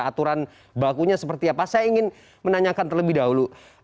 aturan bakunya seperti apa saya ingin menanyakan terlebih dahulu